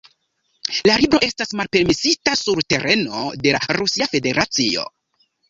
La libro estas malpermesita sur tereno de la Rusia Federacio.